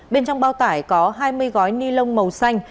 bên trong bao tải có hai mươi gói ni lông màu xanh